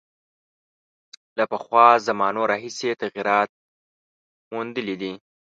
له پخوا زمانو راهیسې یې تغییرات میندلي دي.